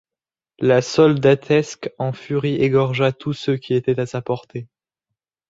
La soldatesque en furie égorgea tous ceux qui étaient à sa portée.